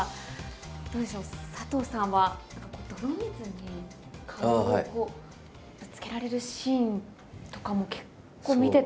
どうでしょう、佐藤さんは泥水に顔をぶつけられるシーンとかも、結構見てて。